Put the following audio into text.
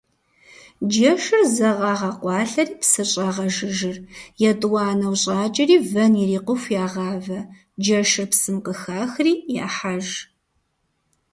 Джэшыр зэ къагъэкъуалъэри псыр щӏагъэжыжыр, етӏуанэу щӏакӏэри вэн ирикъуху ягъавэ, джэшыр псым къыхахри яхьэж.